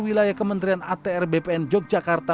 wilayah kementerian atr bpn yogyakarta